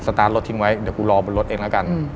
ตาร์ทรถทิ้งไว้เดี๋ยวกูรอบนรถเองแล้วกัน